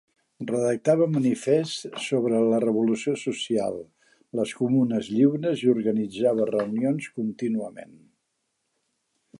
Redactava manifests sobre la revolució social, les comunes lliures i organitzava reunions contínuament.